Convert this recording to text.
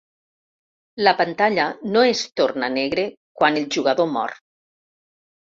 La pantalla no es torna negre quan el jugador mor.